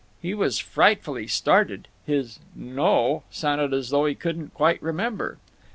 He was frightfully startled. His "No" sounded as though he couldn't quite remember.